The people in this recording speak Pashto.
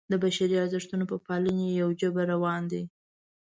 د بشري ارزښتونو په پالنې یو جبر روان دی.